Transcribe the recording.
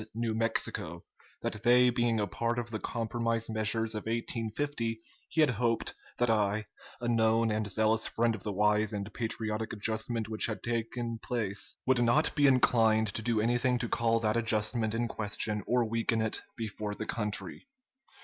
New Mexico; that they being a part of the compromise measures of 1850 he had hoped that I, a known and zealous friend of the wise and patriotic adjustment which had then taken place, would not be inclined to do anything to call that adjustment in question or weaken it before the country.